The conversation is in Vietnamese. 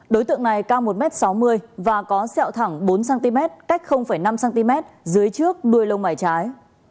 đối tượng này cao một m sáu mươi và có sẹo thẳng bốn cm cách năm cm dưới trước đuôi lông mải trái